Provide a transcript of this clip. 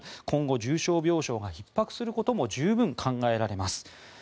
今後、重症病床がひっ迫することも十分考えられます。